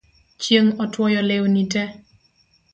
Chieng' otwoyo lewni tee